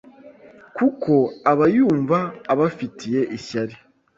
kuko aba yumva abafitiye ishyari